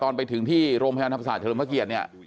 ตอนไปถึงที่โรงพยาบาลธรรมศาสเลิมพระเกียรติเนี่ย